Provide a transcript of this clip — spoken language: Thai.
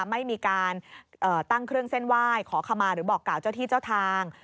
ไม่มีการตั้งเครื่องเส้นไหว้ขอขมาหรือบอกกล่าวเจ้าที่เจ้าทาง